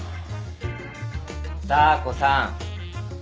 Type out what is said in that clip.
ダー子さん。